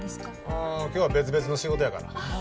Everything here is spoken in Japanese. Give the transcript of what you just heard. ああ今日は別々の仕事やから。